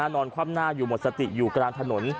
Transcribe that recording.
นอนคว่ำหน้าอยู่หมดสติอยู่กลางถนน